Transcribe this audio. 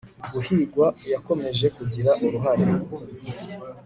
guhigwa yakomeje kugira uruhare